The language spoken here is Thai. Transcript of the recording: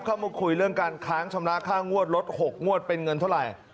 เข้ามาคุยเรื่องการค้างชำระค่างวดลด๖งวดเป็นเงินเท่าไหร่